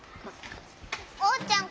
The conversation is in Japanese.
おうちゃん